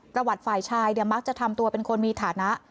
ฝ่ายชายมักจะทำตัวเป็นคนมีฐานะ